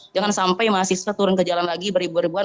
jangan sampai mahasiswa turun ke jalan lagi beribu ribuan